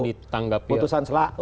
ditanggapi putusan selak